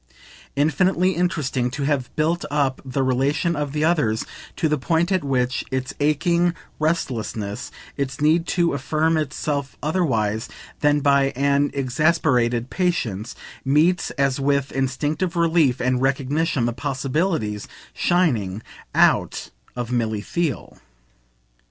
Infinitely interesting to have built up the relation of the others to the point at which its aching restlessness, its need to affirm itself otherwise than by an exasperated patience, meets as with instinctive relief and recognition the possibilities shining out of Milly Theale.